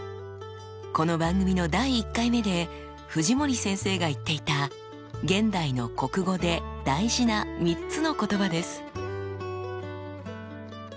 この番組の第１回目で藤森先生が言っていた「現代の国語」で大事な３つの言葉です。